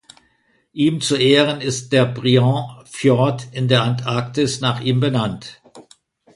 Ihm zu Ehren ist der Briand-Fjord in der Antarktis nach ihm benannt.